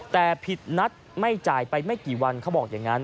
แต่ผิดนัดไม่จ่ายไปไม่กี่วันเขาบอกอย่างนั้น